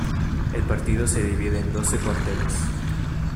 El partido se divide en doce cuarteles.